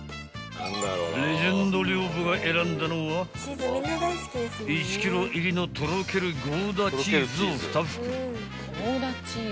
［レジェンド寮母が選んだのは１ｋｇ入りのとろけるゴーダチーズを２袋］